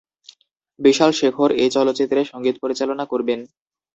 বিশাল-শেখর এই চলচ্চিত্রের সংগীত পরিচালনা করবেন।